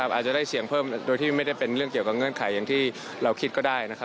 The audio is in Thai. อาจจะได้เสียงเพิ่มโดยที่ไม่ได้เป็นเรื่องเกี่ยวกับเงื่อนไขอย่างที่เราคิดก็ได้